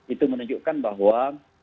itu menunjukkan bahwa